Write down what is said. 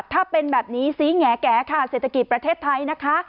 ถ้าเป็นแบบนี้สีแง๋ค่ะเศรษฐกิจประเทศไทยนะคะ